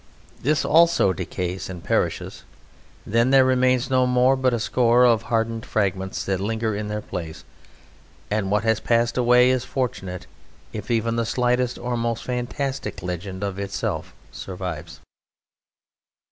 This also decays and perishes. Then there remains no more but a score of hardened fragments that linger in their place, and what has passed away is fortunate if even the slightest or most fantastic legend of itself survives.